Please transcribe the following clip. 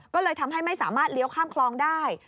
ก็เลยทำให้ไม่สามารถเลี้ยวข้ามคลองได้